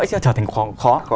chỉ là trở thành khó